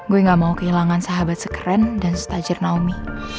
gue nggak mau kehilangan sahabat sekeren dan setajir naomi